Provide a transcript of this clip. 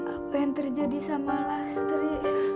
apa yang terjadi sama lastri